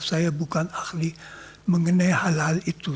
saya bukan ahli mengenai hal hal itu